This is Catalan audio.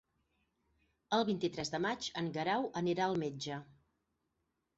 El vint-i-tres de maig en Guerau anirà al metge.